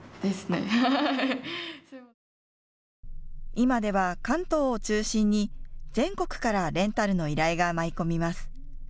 今では関東を中心に全国からレンタルの依頼が舞い込みます。